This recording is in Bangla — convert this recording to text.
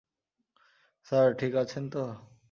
স্যার, ঠিক আছেন তো?